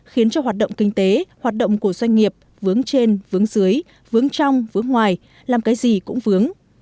khiến cho hoạt động kinh tế hoạt động của doanh nghiệp vướng trên vướng dưới vướng trong vướng ngoài làm cái gì cũng vướng